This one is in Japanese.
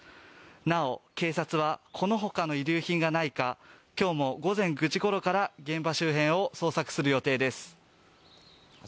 なお、警察はこの他の遺留品がないか今日も午前９時ごろから現場周辺を捜索する予定です。